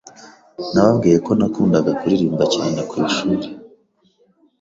Nababwiyeko nakundaga kuririmba cyane ku ishuri,